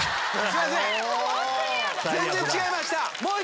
全然違いました。